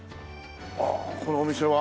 あこのお店は。